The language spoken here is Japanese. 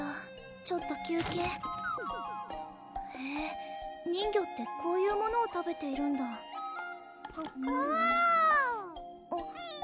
ちょっと休憩へぇ人魚ってこういうものを食べているんだくるるんあっ